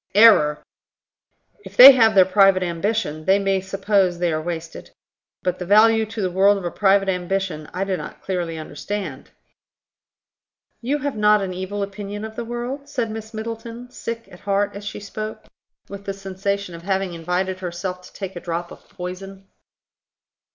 "Error! If they have their private ambition, they may suppose they are wasted. But the value to the world of a private ambition, I do not clearly understand." "You have not an evil opinion of the world?" said Miss Middleton, sick at heart as she spoke, with the sensation of having invited herself to take a drop of poison.